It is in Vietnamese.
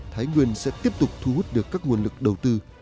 thái nguyên sẽ tiếp tục thu hút được các nguồn lực đầu tư